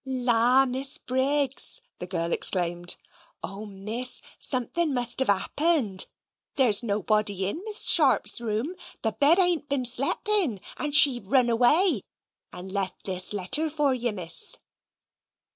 "La, Miss Briggs," the girl exclaimed, "O, Miss, something must have happened there's nobody in Miss Sharp's room; the bed ain't been slep in, and she've run away, and left this letter for you, Miss."